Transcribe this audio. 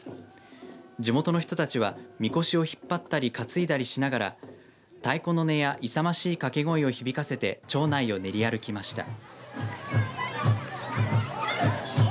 地元の人たちはみこしを引っ張ったり担いだりしながら太鼓の音や勇ましい掛け声を響かせて町内を練り歩きました。